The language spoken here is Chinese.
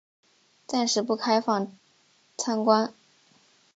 暂时不开放参观